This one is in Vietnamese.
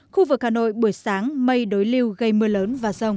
khu vực hà nội buổi sáng mây đối lưu gây mưa lớn và rông